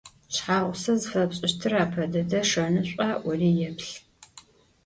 Шъхьагъусэ зыфэпшӏыщтыр апэ дэдэ шэнышӏуа ӏори еплъ.